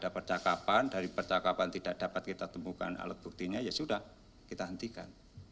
percakapan dari percakapan tidak dapat kita temukan alat buktinya ya sudah kita hentikan